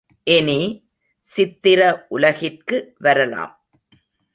இனி, சித்திர உலகிற்கு வரலாம்.